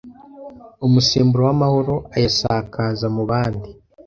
umusemburo w’amahoro ayasakaza mu bandi